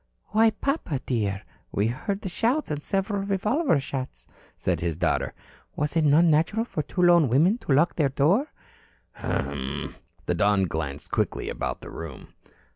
"Why, papa, dear, we heard the shouts and several revolver shots," said his daughter. "Was it not natural for two lone women to lock their door?" "Humm!" The Don glanced quickly about the room.